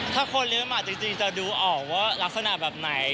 ถ้าคนเลี้ยงหมาจริงจะดูออกว่ารักษณะแบบไหน